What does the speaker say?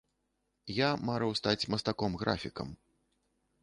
Я марыў стаць мастаком-графікам.